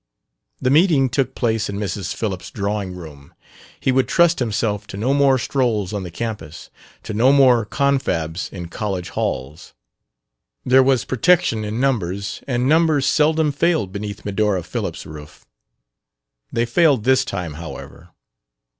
The meeting took place in Mrs. Phillips' drawing room; he would trust himself to no more strolls on the campus, to no more confabs in college halls. There was protection in numbers, and numbers seldom failed beneath Medora Phillips' roof. They failed this time, however.